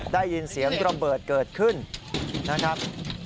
ได้ยินเสียงระเบิดเกิดขึ้นนะครับ